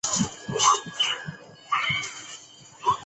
楚武穆王马殷用该年号。